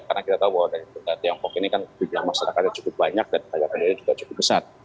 karena kita tahu bahwa dari tiongkok ini kan jumlah masyarakatnya cukup banyak dan tenaga kerja juga cukup besar